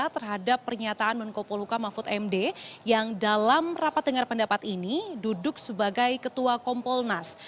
terhadap pernyataan menko poluka mahfud md yang dalam rapat dengar pendapat ini duduk sebagai ketua kompolnas